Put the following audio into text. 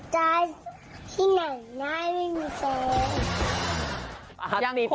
พวกแฟนคุณจ้าที่ไหนไม่มีแฟน